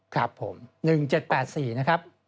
ครับผม๑๗๘๔นะครับ